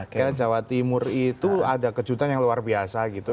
karena jawa timur itu ada kejutan yang luar biasa gitu